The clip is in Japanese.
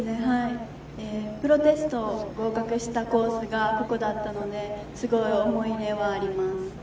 プロテスト合格したコースがここだったので、すごい思い入れはあります。